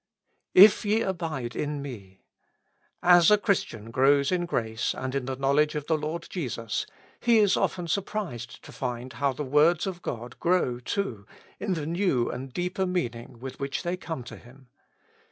^^ If ye abide in mer As a Christian grows in grace and in the knowledge of the Lord Jesus, he is often surprised to find how the words of God grow too, in the new and deeper meaning with which they come to him.